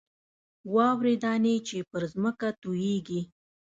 واورې دانې چې پر ځمکه تویېږي.